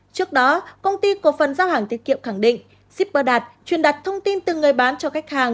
trước đó công ty cổ phần giao hàng tiết kiệm khẳng định shipper đạt truyền đặt thông tin từ người bán cho khách hàng